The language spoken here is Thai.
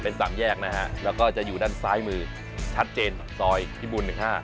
เป็นสามแยกนะฮะแล้วก็จะอยู่ด้านซ้ายมือชัดเจนซอยพิบูล๑๕